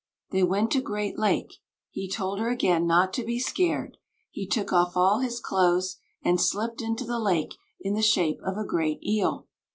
They went to Great Lake; he told her again not to be scared, took off all his clothes, and slipped into the lake in the shape of a great eel.